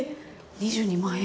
２２万円！？